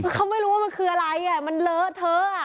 เขาไม่รู้ว่ามันคืออะไรมันเลอะเทอะ